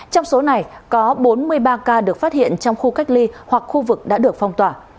trong số này có bốn mươi ba ca được phát hiện trong khu cách ly hoặc khu vực đã được phong tỏa